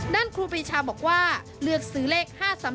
ครูปรีชาบอกว่าเลือกซื้อเลข๕๓๓